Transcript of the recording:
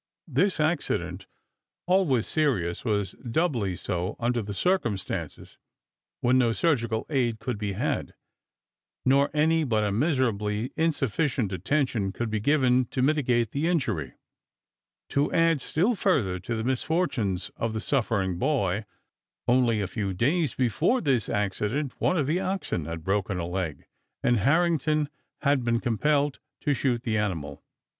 This accident, always serious, was doubly so under the circumstances, when no surgical aid could be had, nor any but a miserably insufficient attention could be given to mitigate the injury. To add still further to the misfortunes of the suffering boy, only a few days before this accident one of the oxen had broken a leg and Harrington had been compelled to shoot the animal.